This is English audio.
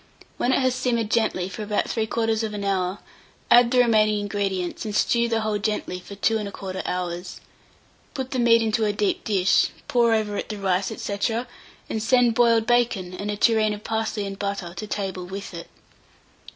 When it has simmered gently for about 3/4 hour, add the remaining ingredients, and stew the whole gently for 2 1/4 hours. Put the meat into a deep dish, pour over it the rice, &c., and send boiled bacon, and a tureen of parsley and butter to table with it.